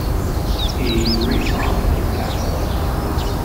He re-signed with Capitol.